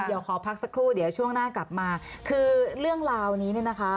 เดี๋ยวขอพักสักครู่เดี๋ยวช่วงหน้ากลับมาคือเรื่องราวนี้เนี่ยนะคะ